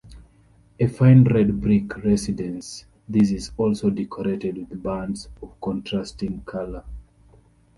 A fine red brick residence, this is also decorated with bands of contrasting colour.